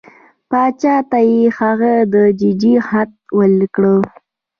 باچا ته یې هغه د ججې خط ورکړ.